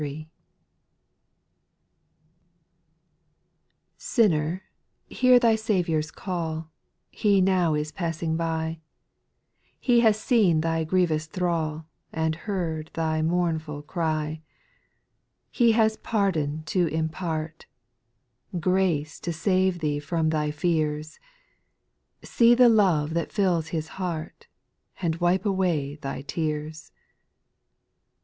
Q INNER, hear thy Saviour's call, O He now is passing by ; He has seen thy grievous thrall, And heard thy mournful cry. He has pardon to impart, Grace to save thee from thy fears ; See the love that fills His heart, And wipe away thy tears.